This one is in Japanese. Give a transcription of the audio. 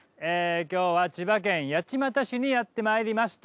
今日は千葉県八街市にやってまいりました。